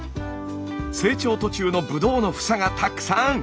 成長途中のブドウの房がたくさん！